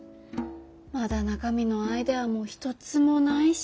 まだ中身のアイデアも一つもないし。